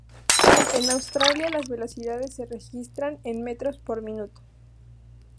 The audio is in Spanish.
En Australia, las velocidades se registran en metros por minuto.